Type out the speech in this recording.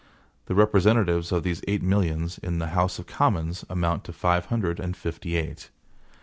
The representatives of these eight millions in the House of Commons amount to five hundred and fifty eight.